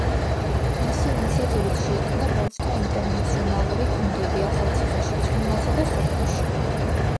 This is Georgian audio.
მისი ინიციატივით შეიქმნა ბავშვთა ინტერნაციონალური გუნდები ახალციხეში, ცხინვალსა და სოხუმში.